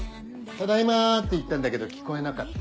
「ただいま」って言ったんだけど聞こえなかった？